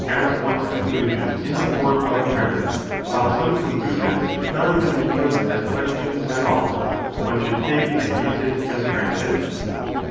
Read on 6 e CHAPTER XV i 74 b a premiss, while some conclusions should not even be put as questions at all ; l one should take and use it as granted.